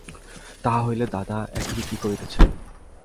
তাহা হইলে দাদা এখন কী করিতেছে?